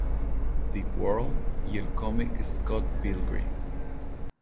The World y el comic Scott Pilgrim.